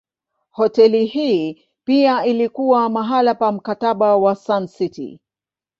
Hoteli hii pia ilikuwa mahali pa Mkataba wa Sun City.